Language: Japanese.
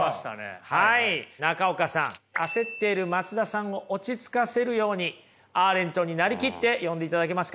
中岡さん焦っている松田さんを落ち着かせるようにアーレントに成りきって読んでいただけますか。